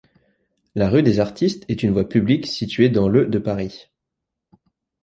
La rue des Artistes est une voie publique située dans le de Paris.